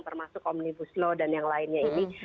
termasuk omnibus law dan yang lainnya ini